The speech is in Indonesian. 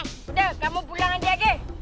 udah kamu pulang aja ke